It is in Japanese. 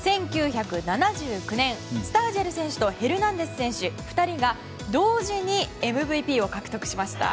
１９７９年、スタージェル選手とヘルナンデス選手、２人が同時にＭＶＰを獲得しました。